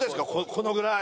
このぐらい。